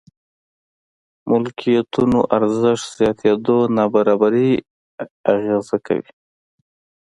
ملکيتونو ارزښت زياتېدو نابرابري اغېزه کوي.